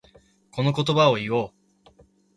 この言葉を言おう。